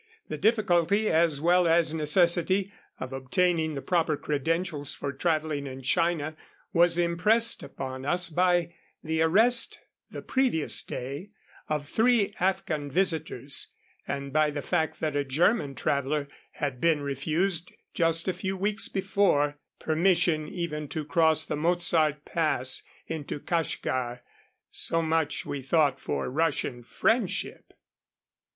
The difficulty, as well as necessity, of obtaining the proper credentials for traveling in China was impressed upon us by the arrest the previous day of three Afghan visitors, and by the fact that a German traveler had been refused, just a few weeks before, permission even to cross the Mozart pass into Kashgar. So much, we thought, for Russian friendship.